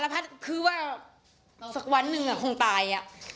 สารพัดคือว่าสักวันนึงคงตาย